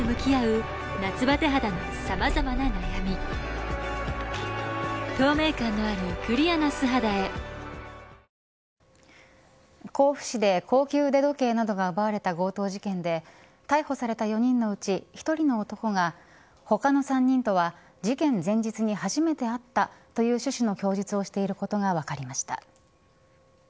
政府が去年の末に甲府市で高級腕時計などが奪われた強盗事件で逮捕された４人のうち１人の男が他の３人とは事件前日に初めて会ったという趣旨の供述をしていることが分かりました。